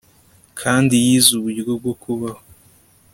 kandi yize uburyo bwo kubaho